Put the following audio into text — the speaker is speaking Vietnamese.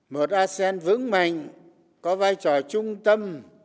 một asean vững mạnh có vai trò trung tâm